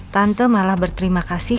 tante malah berterima kasih